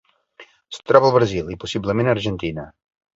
Es troba al Brasil i possiblement Argentina.